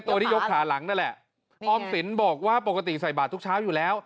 ตัวที่ยกขาหลังนั่นแหละออมสินบอกว่าปกติใส่บาททุกเช้าอยู่แล้ว